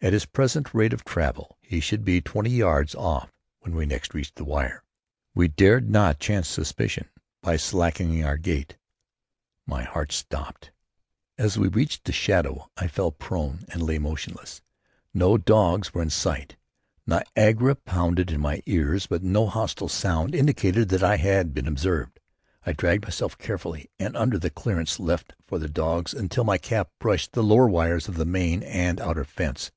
At his present rate of travel he should be twenty yards off when we next reached the wire. We dared not chance suspicion by slackening our gait. My heart stopped. As we reached the shadow I fell prone and lay motionless. No dogs were in sight. Niagara pounded in at my ears but no hostile sound indicated that I had been observed. I dragged myself carefully through and under the clearance left for the dogs, until my cap brushed the lower wires of the main and outer fence.